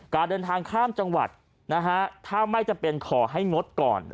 การเดินทางข้ามจังหวัดนะฮะถ้าไม่จำเป็นขอให้งดก่อน